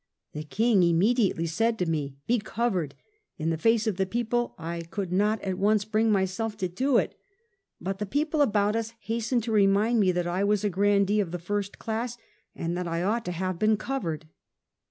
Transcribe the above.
The King immediately said to me * be covered '; in the face of the people I could not at once bring myself to do it, but the people about us hastened to remind me that I was a grandee of the first class, and that I ought to have been covered."